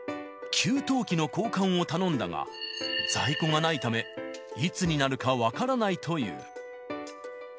給湯器の交換を頼んだが、在庫がないため、いつになるか分からないという。